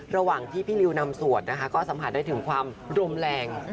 ระหว่างที่พี่ริวนำสวดนะคะก็สัมผัสได้ถึงความรมแรง